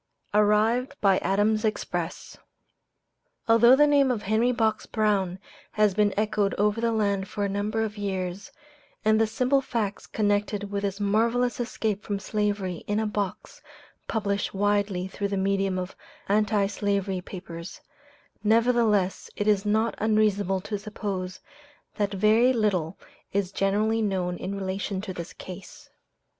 ARRIVED BY ADAMS' EXPRESS. Although the name of Henry Box Brown has been echoed over the land for a number of years, and the simple facts connected with his marvelous escape from slavery in a box published widely through the medium of anti slavery papers, nevertheless it is not unreasonable to suppose that very little is generally known in relation to this case.